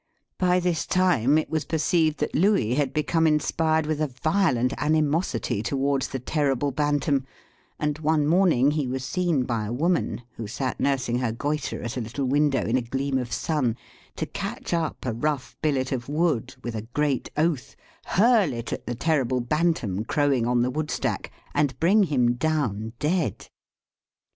By this time it was perceived that Louis had become inspired with a violent animosity towards the terrible Bantam, and one morning he was seen by a woman, who sat nursing her goitre at a little window in a gleam of sun, to catch up a rough billet of wood, with a great oath, hurl it at the terrible Bantam crowing on the wood stack, and bring him down dead.